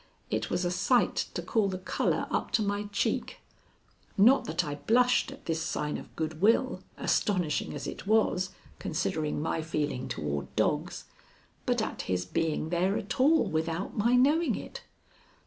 It was a sight to call the color up to my cheek; not that I blushed at this sign of good will, astonishing as it was, considering my feeling toward dogs, but at his being there at all without my knowing it.